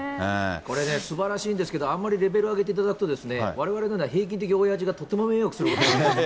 これね、すばらしいんですけど、あんまりレベル上げていただくと、われわれのような平均的おやじがとっても迷惑することになるので。